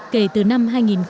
kể từ năm hai nghìn một mươi bảy